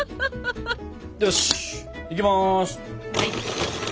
よしいきます！